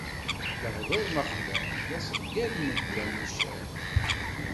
Lehduṛ ma xlan, d aṣeggad mebla nnican.